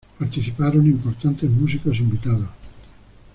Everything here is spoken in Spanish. Participaron importantes músicos invitados.